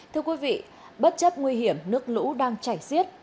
thưa quý vị bất chấp nguy hiểm nước lũ đang chảy xiết